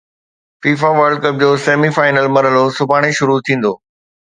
FIFA world cup جو semi final مرحلو سڀاڻي شروع ٿيندو